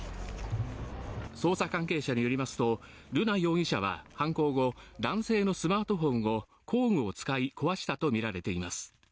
捜査関係者によりますと瑠奈容疑者は犯行後、男性のスマートフォンを工具を使い壊したとみられています。